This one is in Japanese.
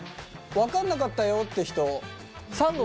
分かんなかったよって人？